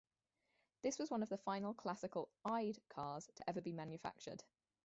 This was one of the final classical "eyed" cars to ever be manufactured.